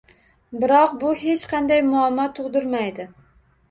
Biroq, bu hech qanday muammo tug'dirmaydi